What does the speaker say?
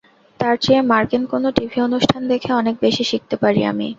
তার চেয়ে মার্কিন কোনো টিভি অনুষ্ঠান দেখে অনেক বেশি শিখতে পারি আমি।